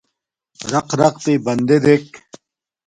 رَقرقتݵئ بندݺ دݵک.